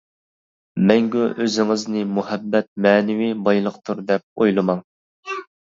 مەڭگۈ ئۆزىڭىزنى مۇھەببەت مەنىۋى بايلىقتۇر دەپ ئويلىماڭ.